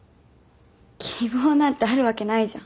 希望なんてあるわけないじゃん。